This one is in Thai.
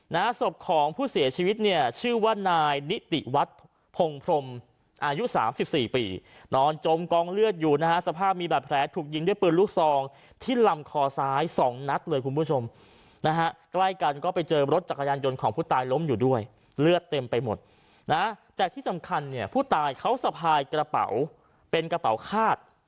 นะฮะศพของผู้เสียชีวิตเนี่ยชื่อว่านายนิติวัฒน์พงพรมอายุสามสิบสี่ปีนอนจมกองเลือดอยู่นะฮะสภาพมีบาดแผลถูกยิงด้วยปืนลูกซองที่ลำคอซ้ายสองนัดเลยคุณผู้ชมนะฮะใกล้กันก็ไปเจอรถจักรยานยนต์ของผู้ตายล้มอยู่ด้วยเลือดเต็มไปหมดนะแต่ที่สำคัญเนี่ยผู้ตายเขาสะพายกระเป๋าเป็นกระเป๋าคาด